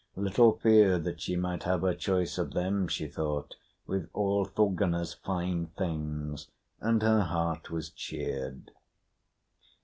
Little fear that she might have her choice of them, she thought, with all Thorgunna's fine things; and her heart was cheered.